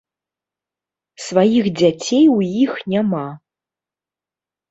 Сваіх дзяцей у іх няма.